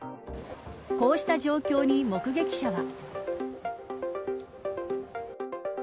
こうした状況に目撃者は。